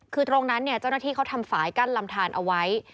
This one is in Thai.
คือตรงนั้นเนี่ยเจ้าหน้าที่เขาทำฝ่ายกั้นลำทานเอาไว้